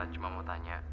cuma mau tanya